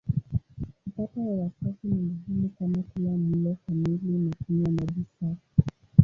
Kupata hewa safi ni muhimu kama kula mlo kamili na kunywa maji safi.